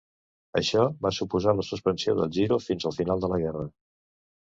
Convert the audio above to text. Això va suposar la suspensió del Giro fins al final de la guerra.